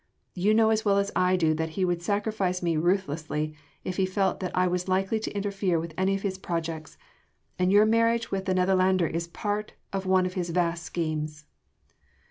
You know as well as I do that he would sacrifice me ruthlessly if he felt that I was likely to interfere with any of his projects: and your marriage with the Netherlander is part of one of his vast schemes."